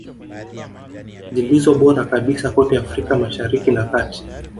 Zilizo bora kabisa kote Afrika Mashariki na kati